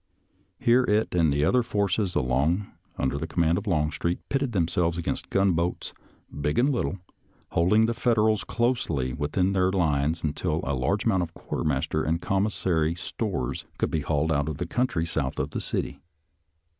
Here it and the other forces along under command of Longstreet pitted them selves against gunboats, big and little, holding the Federals closely within their lines until a large amount of quarter master and commissary stores could be hauled out of the country south of the city.